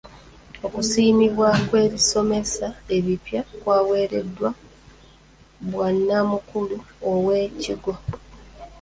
Okusiimibwa kw'ebisomesa ebipya kwawereddwa bwanamukulu ow'ekigo.